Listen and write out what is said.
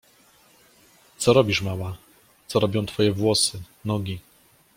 — Co robisz, mała? Co robią twoje włosy, nogi.